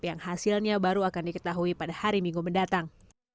yang hasilnya baru akan diketahui pada hari minggu mendatang